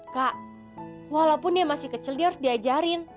kak walaupun dia masih kecil dia harus diajarin